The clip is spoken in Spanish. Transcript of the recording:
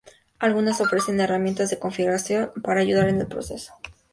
Algunas ofrecen herramientas de configuración para ayudar en el proceso.